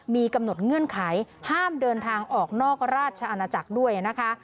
มีกำหนดเงื่อนไขห้ามเดินทางออกนอกราชอาณาจักรด้วยนะคะ